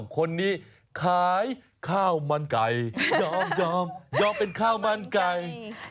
คนนี้ขายข้าวมันไก่ยอมยอมเป็นข้าวมันไก่